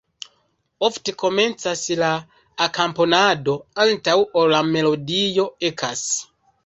Ofte komencas la akompanado, antaŭ ol la melodio ekas.